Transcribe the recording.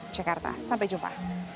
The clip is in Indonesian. cekarta sampai jumpa